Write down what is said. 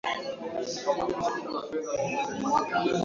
alijiunga na masomo ya kidato cha tano katika shule ya binafsi